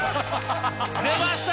出ました